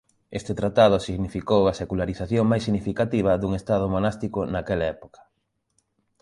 Este tratado significou a secularización máis significativa dun estado monástico naquela época.